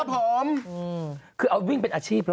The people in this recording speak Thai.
ก่อนหน้านี้ที่ตีปริงปองอ่ะไปแข่งซีเกมอ่ะ